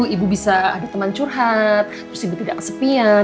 ibu bisa aduh teman curhat terus ibu tidak kesepian